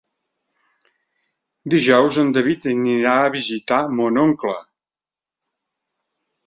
Dijous en David anirà a visitar mon oncle.